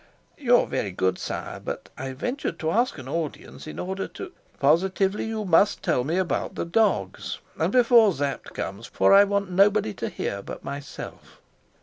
"You are very good, sire. But I ventured to ask an audience in order to " "Positively you must tell me about the dogs. And before Sapt comes, for I want nobody to hear but myself."